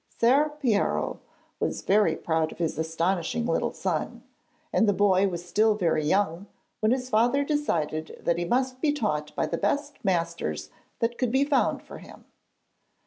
Ser Piero was very proud of his astonishing little son, and the boy was still very young when his father decided that he must be taught by the best masters that could be found for him.